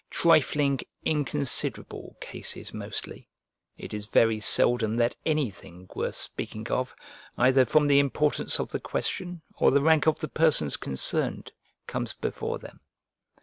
Trifling, inconsiderable cases, mostly; it is very seldom that anything worth speaking of, either from the importance of the question or the rank of the persons concerned, comes before them.